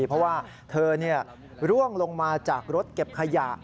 เพราะว่าเธอร่วงลงมาจากรถเก็บขยะ